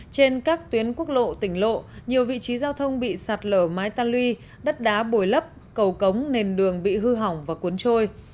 trên các tuyến quốc lộ tỉnh lộ nhiều vị trí giao thông bị sạt lở mái tan luy đất đá bồi lấp cầu cống nền đường bị hư hỏng và cuốn trôi